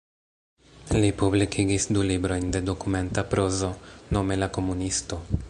Li publikigis du librojn de dokumenta prozo, nome "La Komunisto".